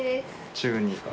中２。